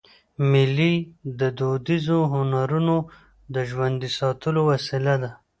مېلې د دودیزو هنرونو د ژوندي ساتلو وسیله ده.